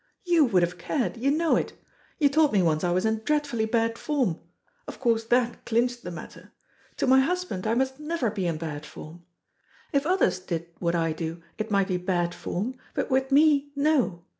You would have cared, you know it. You told me once I was in dreadfully bad form. Of course that clinched the matter. To my husband I must never be in bad form. If others did what I do, it might be bad form, but with me, no.